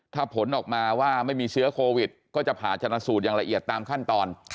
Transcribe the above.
ถ้าผลออกมาว่าไม่มีเชื้อโควิดก็จะผ่าชนะสูตรอย่างละเอียดตามขั้นตอน